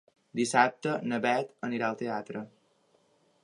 Dissabte na Bet anirà al teatre.